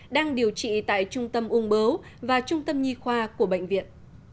đang điều trị tại trung tâm ung bớu và trung tâm nhi khoa của bệnh viện